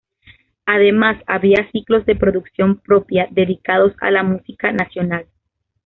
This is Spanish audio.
Además, había ciclos de producción propia dedicados a la música nacional.